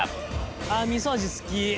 あみそ味好き。